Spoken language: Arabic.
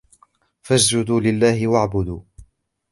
فَاسْجُدُوا لِلَّهِ وَاعْبُدُوا